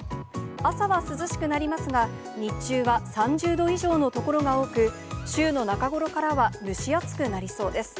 朝は涼しくなりますが、日中は３０度以上の所が多く、週の中頃からは蒸し暑くなりそうです。